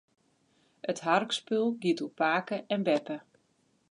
It harkspul giet oer pake en beppe.